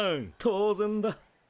当然だ。